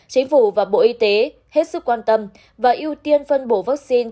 chính phủ và bộ y tế hết sức quan tâm và ưu tiên phân bổ vaccine